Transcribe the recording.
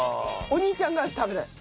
お兄ちゃんが食べない？